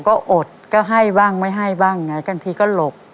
ก็อดก็ให้บ้างไม่ให้บ้างไงกันทีก็หลบ